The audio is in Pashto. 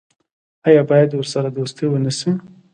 آیا باید ورسره دوستي ونشي؟